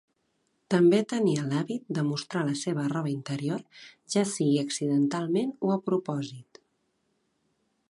També tenia l'hàbit de mostrar la seva roba interior ja sigui accidentalment o a propòsit.